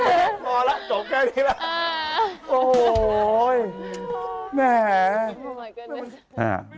ตีนพ่อทุกวันหนึ่ง